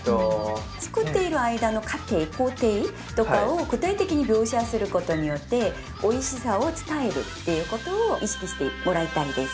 作っている間の過程工程とかを具体的に描写することによっておいしさを伝えるっていうことを意識してもらいたいです。